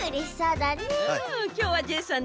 きょうはジェイさん